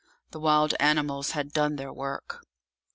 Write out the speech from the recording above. The wild animals had done their work.